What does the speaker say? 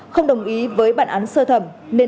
không đồng ý với bản án sơ thẩm